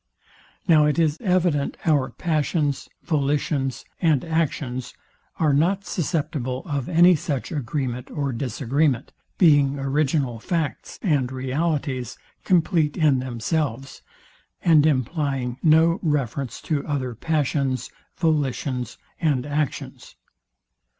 Now it is evident our passions, volitions, and actions, are not susceptible of any such agreement or disagreement; being original facts and realities, compleat in themselves, and implying no reference to other passions, volitions, and actions.